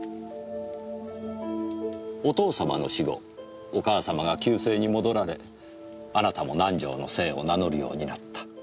お父様の死後お母様が旧姓に戻られあなたも南条の姓を名乗るようになった。